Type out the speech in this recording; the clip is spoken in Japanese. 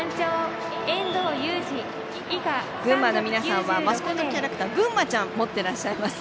群馬の皆さんはマスコットキャラクターぐんまちゃんを持ってらっしゃいます。